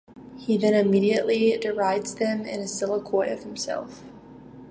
He then immediately derides them in a soliloquy to himself.